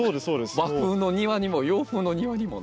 和風の庭にも洋風の庭にもね。